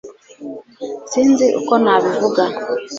sinzi uko nabivuga